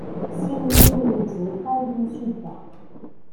Sin-nni n yizenqan d imsudaɣ.